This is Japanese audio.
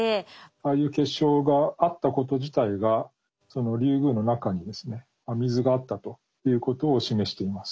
ああいう結晶があったこと自体がリュウグウの中にですね水があったということを示しています。